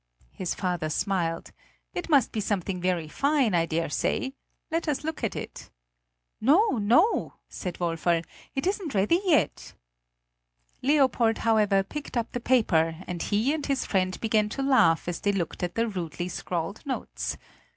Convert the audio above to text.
His father smiled. "It must be something very fine, I dare say; let us look at it." "No, no," said Woferl, "it isn't ready yet." Leopold however picked up the paper, and he and his friend began to laugh as they looked at the rudely scrawled notes.